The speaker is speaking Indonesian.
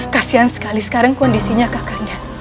kasian sekali sekarang kondisinya kakaknya